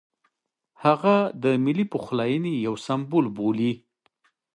هغه د ملي پخلاینې یو سمبول بولي.